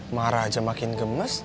marah aja makin gemes